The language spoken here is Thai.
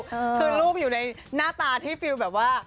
คือรูปอยู่ในหน้าตาที่ฟิลแบบว่า